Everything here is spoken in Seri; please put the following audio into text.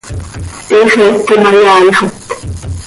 Tiix eec quih imayaaixot.